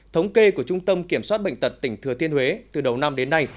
thống kê của trung tâm kiểm soát bệnh tật tỉnh thừa tiên huế từ đầu năm đến nay